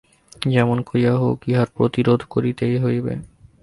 যেমন করিয়া হোক ইহার প্রতিরোধ করিতেই হইবে।